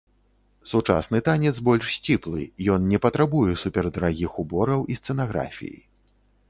Сучасны танец больш сціплы, ён не патрабуе супердарагіх убораў і сцэнаграфіі.